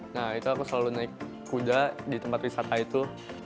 nah itu aku selalu naik kuda di tempat wisata itu